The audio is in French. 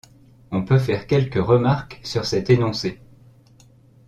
On peut faire quelques remarques sur cet énoncé.